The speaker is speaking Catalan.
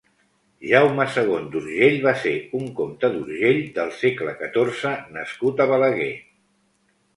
Jaume segon d'Urgell va ser un comte d'Urgell del segle catorze nascut a Balaguer.